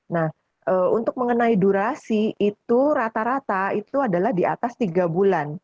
nah untuk mengenai durasi itu rata rata itu adalah di atas tiga bulan